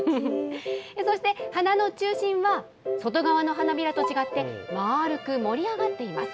そして花の中心は、外側の花びらと違って丸く盛り上がっています。